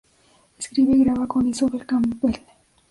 Escribe y graba con Isobel Campbell.